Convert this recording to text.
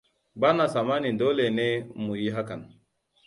Ba na tsammanin dole ne mu yi hakan.